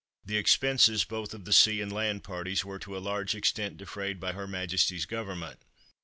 The expenses, both of the sea and land parties, were to a large extent defrayed by Her Majesty's Government.